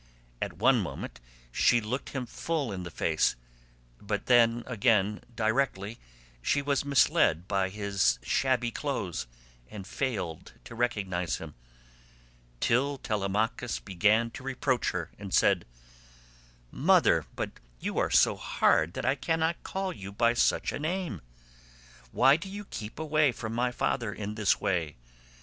At one moment she looked him full in the face, but then again directly, she was misled by his shabby clothes and failed to recognise him,181 till Telemachus began to reproach her and said: "Mother—but you are so hard that I cannot call you by such a name—why do you keep away from my father in this way?